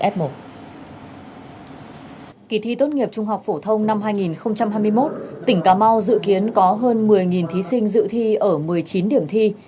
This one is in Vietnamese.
kỳ thi tốt nghiệp trung học phổ thông năm hai nghìn hai mươi một tỉnh cà mau dự kiến có hơn một mươi thí sinh dự thi ở một mươi chín điểm thi